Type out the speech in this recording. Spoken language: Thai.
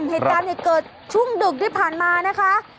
ผลักฐานเกิดช่วงดึกที่ผ่านมานะคะครับ